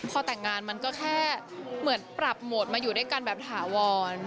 พอแต่งงานมันก็แค่เหมือนปรับโหมดมาอยู่ด้วยกันแบบถาวร